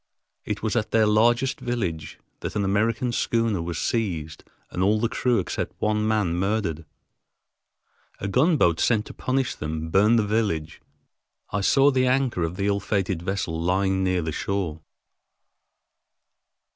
It was at their largest village that an American schooner was seized and all the crew except one man murdered. A gunboat sent to punish them burned the village. I saw the anchor of the ill fated vessel lying near the shore.